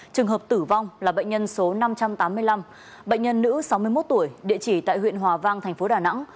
trường hợp tử vong là bệnh nhân số năm trăm tám mươi năm bệnh nhân nữ sáu mươi một tuổi địa chỉ tại huyện hòa vang thành phố đà nẵng